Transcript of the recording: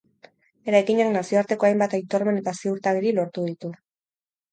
Eraikinak nazioarteko hainbat aitormen eta ziurtagiri lortu ditu.